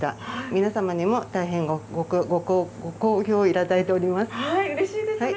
皆様にも大変ご好評いただいておうれしいですね。